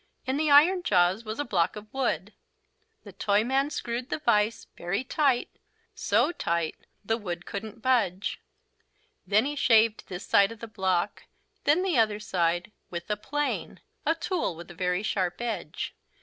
In the iron jaws was a block of wood. The Toyman screwed the vise very tight so tight the wood couldn't budge. Then he shaved this side of the block, then the other side, with a plane, a tool with a very sharp edge.